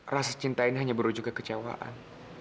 rasa cinta ini hanya berujung ke kecewaan